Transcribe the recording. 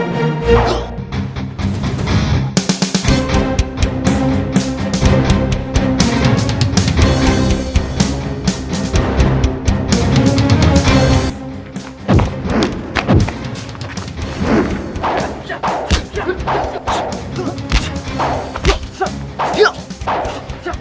kau akan menjadi babi buta